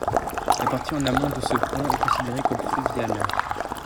La partie en amont de ce pont est considérée comme fluviale.